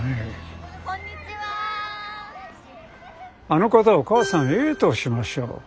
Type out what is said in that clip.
あの方を母さんＡとしましょう。